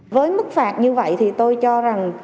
với mức phạt như vậy thì tôi cho rằng